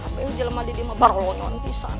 apa yang jelma didi mah baru lo nanti san